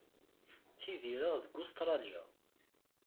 Ttidireɣ deg Ustṛalya.